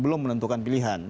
belum menentukan pilihan